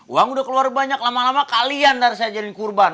uang udah keluar banyak lama lama kalian harus aja jadi korban